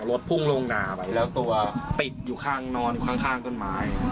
รถพุ่งลงหนาไปแล้วตัวติดอยู่ข้างนอนอยู่ข้างต้นไม้